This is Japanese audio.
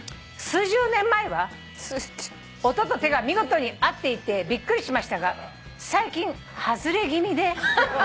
「数十年前は音と手が見事に合っていてびっくりしましたが最近外れ気味で」